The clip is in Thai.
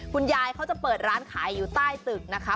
คุณยายเขาจะเปิดร้านขายอยู่ใต้ตึกนะคะ